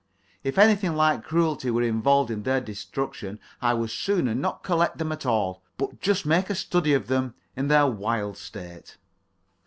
If anything like cruelty were involved in their destruction, I would sooner not collect them at all, but just make a study of them in their wild state.